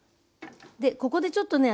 でここでちょっとね